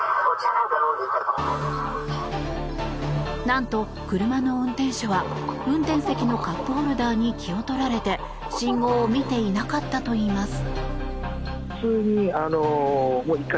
なんと、車の運転手は運転席のカップホルダーに気を取られて信号を見ていなかったといいます。